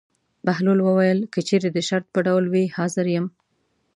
بهلول وویل: که چېرې د شرط په ډول وي حاضر یم.